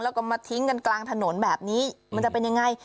แล้วก็มาทิ้งกันกลางถนนแบบนี้มันจะเป็นยังไง